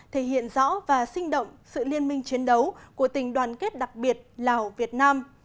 thể hiện rõ và sinh động sự liên minh chiến đấu của tình đoàn kết đặc biệt lào việt nam